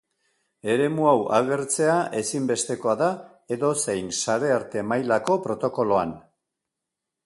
Eremu hau agertzea ezinbestekoa da edozein sarearte-mailako protokoloan.